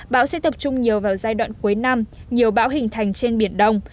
bão sẽ tập trung nhiều vào giai đoạn cuối năm nhiều bão hình thành trên biển đông